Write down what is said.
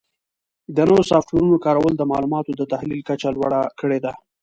د نوو سافټویرونو کارول د معلوماتو د تحلیل کچه لوړه کړې ده.